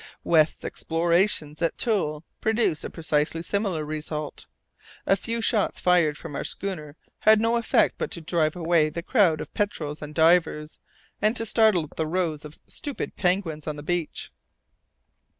West's exploration at Thule produced a precisely similar result. A few shots fired from our schooner had no effect but to drive away the crowd of petrels and divers, and to startle the rows of stupid penguins on the beach.